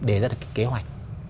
để ra được cái kế hoạch